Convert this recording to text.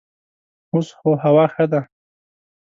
اوس خو هوا ښه ده.